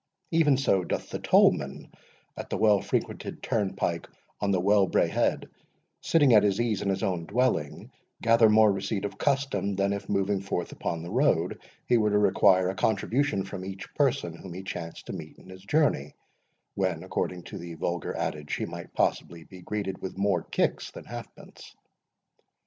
Even so doth the tollman at the well frequented turn pike on the Wellbraehead, sitting at his ease in his own dwelling, gather more receipt of custom, than if, moving forth upon the road, he were to require a contribution from each person whom he chanced to meet in his journey, when, according to the vulgar adage, he might possibly be greeted with more kicks than halfpence.